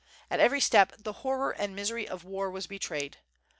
At every step the horror and misery of war was betrayed.